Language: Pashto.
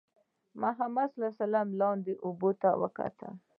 محمدرسول لاندې اوبو ته وکتل.